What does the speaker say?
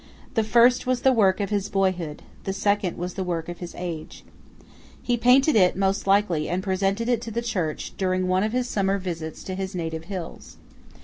The first was the work of his boyhood; the second was the work of his age. He painted it, most likely, and presented it to the church, during one of his summer visits to his native hills.